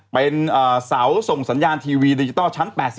เป็นเสาส่งสัญญาณทีวีดิจิตอล